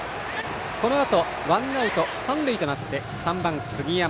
このあとワンアウト三塁となって３番、杉山。